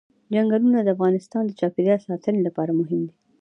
چنګلونه د افغانستان د چاپیریال ساتنې لپاره مهم دي.